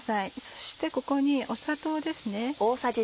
そしてここに砂糖ですね。